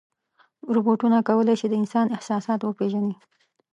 روبوټونه کولی شي د انسان احساسات وپېژني.